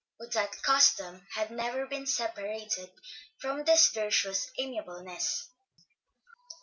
Would that custom had never been separated from this virtuous amiableness!